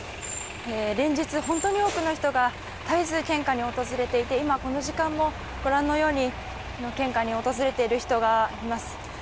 連日、本当に多くの人が絶えず献花に訪れていて今、この時間もご覧のように献花に訪れている人がいます。